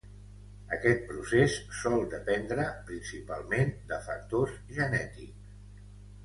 Aquest procés sol dependre, principalment, de factors genètics.